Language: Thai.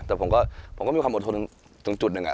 แต่ผมก็มีความอดทนตรงจุดหนึ่ง